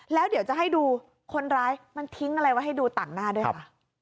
แล้วเดี๋ยวจะให้ดูคนร้ายมันทิ้งอะไรไว้ให้ดูต่างหน้าด้วยค่ะ